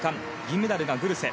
銀メダルがグルセ。